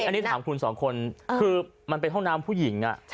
อันนี้ถามคุณสองคนคือมันเป็นห้องน้ำผู้หญิง